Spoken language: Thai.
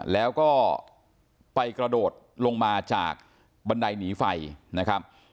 แล้วก็ไปกระโดดลงมาจากบันไดหนีไฟนะครับ